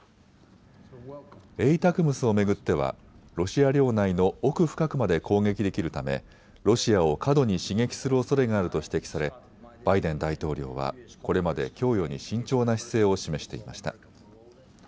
ＡＴＡＣＭＳを巡ってはロシア領内の奥深くまで攻撃できるためロシアを過度に刺激するおそれがあると指摘されバイデン大統領はこれまで供与に慎重な姿勢を示していました。